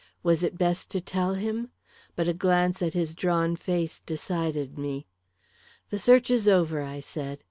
Was it best to tell him? But a glance at his drawn face decided me. "The search is over," I said.